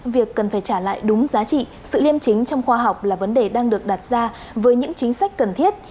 việc cần phải trả lại đúng giá trị sự liêm chính trong khoa học là vấn đề đang được đặt ra với những chính sách cần thiết